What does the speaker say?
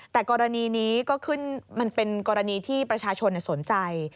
แต่กรณีนี้ก็ขึ้นมันเป็นกรณีที่ประชาชนสนใจ